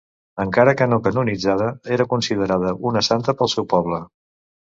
Encara que no canonitzada, era considerada una santa pel seu poble.